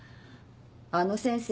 あの先生